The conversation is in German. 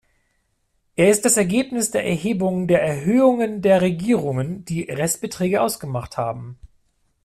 Er ist das Ergebnis der Erhebungen der Erhöhungen der Regierungen, die Restbeträge ausgemacht haben.